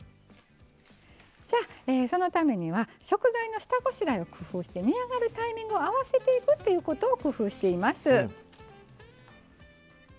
そのためには食材の下ごしらえを工夫して、煮上がるタイミングを合わせていくことを工夫しています。